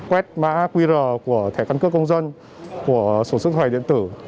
quét má qr của thẻ căn cước công dân của sổ sức thoải điện tử